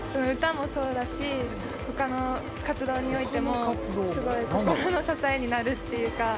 歌もそうだし、ほかの活動においても、すごい心の支えになるっていうか。